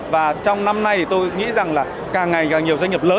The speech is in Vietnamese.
và trong năm nay thì tôi nghĩ rằng là càng ngày càng nhiều doanh nghiệp lớn